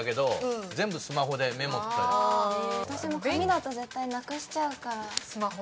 私も紙だと絶対なくしちゃうから。